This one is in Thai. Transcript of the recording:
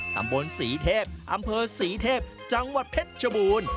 ตำบลศรีเทพอำเภอศรีเทพจังหวัดเพชรชบูรณ์